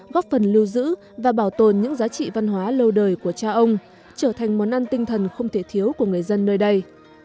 góp phần lưu giữ và bảo tồn những giá trị văn hóa lâu đời của cha ông trở thành món ăn tinh thần không thể thiếu của người dân nơi đây